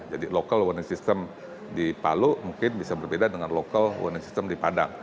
jadi local warning system di palu mungkin bisa berbeda dengan local warning system di palu